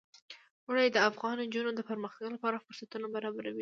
اوړي د افغان نجونو د پرمختګ لپاره فرصتونه برابروي.